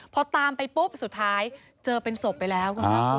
พอตามไปปุ๊บสุดท้ายเจอเป็นศพไปแล้ว